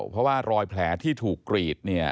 เพราะว่ารอยแผลที่ถูกกรีดเนี่ย